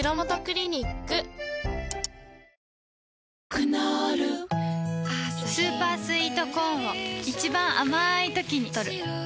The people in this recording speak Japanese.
クノールスーパースイートコーンを一番あまいときにとる